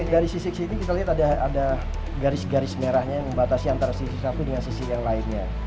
dari sisi sini kita lihat ada garis garis merahnya yang membatasi antara sisi satu dengan sisi yang lainnya